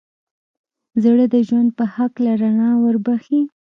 زړه د ژوند په هکله رڼا وربښي.